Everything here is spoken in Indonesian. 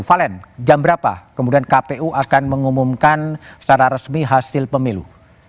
valen jam berapa kemudian kpu akan mengumumkan secara resmi hasil pemilu